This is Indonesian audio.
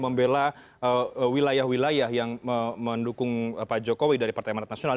membela wilayah wilayah yang mendukung pak jokowi dari partai manat nasional